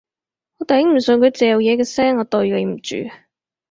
我頂唔順佢嚼嘢嘅聲，我對你唔住